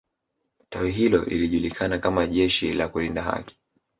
tawi hilo lilijulikana kama jeshi la kulinda haki